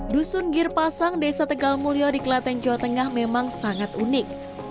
dusun girpasang desa tegal mulyo di kelaten jawa tengah memang sangat unik